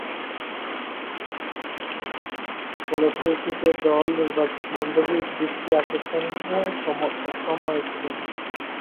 ফলশ্রুতিতে, দল নির্বাচকমণ্ডলীর দৃষ্টি আকর্ষণে সক্ষম হয়েছিলেন।